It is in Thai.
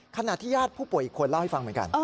ขณะที่ญาติผู้ป่วยอีกคนเล่าให้ฟังเหมือนกัน